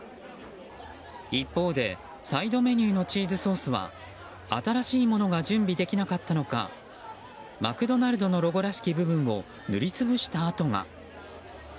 一方でサイドメニューのチーズソースは新しいものが準備できなかったのかマクドナルドのロゴらしき部分を塗りつぶした跡が。